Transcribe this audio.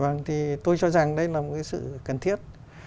vâng thì tôi cho rằng đây là một cái sự cần thiết